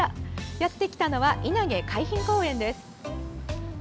やってきたのは稲毛海浜公園です。